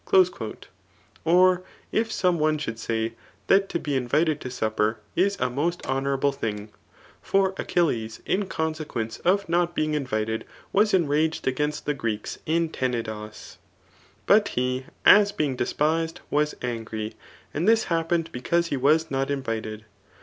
J* '■ Or if some one should say, that to be mvited to supper is a most honourable thing ; for Achilles^ in consequence of not being invited was' enraged against the Greeks iii Tenedos. But he, as being despised, was angry ; and this happened because he was not invited.